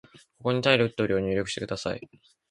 ここにタイトルを入力してください。